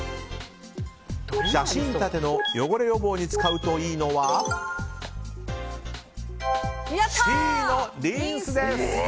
写真立ての汚れ予防に使うといいのはＣのリンスです。